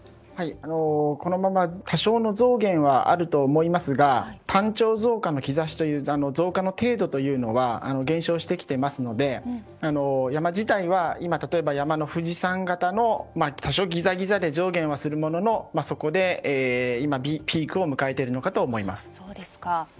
このまま多少の増減はあるとは思いますが単調増加の兆しという増加の程度というのは減少してきていますので山自体は例えば、山の富士山型の多少ギザギザで増減はするもののそこでピークを迎えているのかと思います。